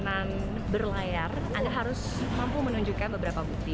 untuk keamanan berlayar anda harus mampu menunjukkan beberapa bukti